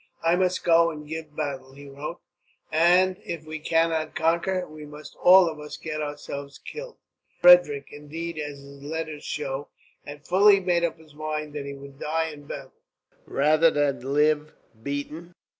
"I must go and give battle," he wrote, "and if we cannot conquer, we must all of us get ourselves killed." Frederick, indeed, as his letters show, had fully made up his mind that he would die in battle, rather than live beaten.